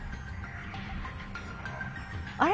あれ？